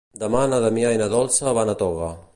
Demà na Damià i na Dolça van a Toga.